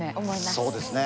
そうですね。